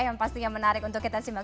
yang pasti yang menarik untuk kita simak